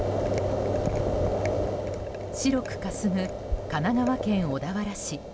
白くかすむ、神奈川県小田原市。